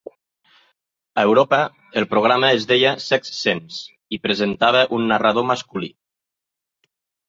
A Europa el programa es deia Sex Sense i presentava un narrador masculí.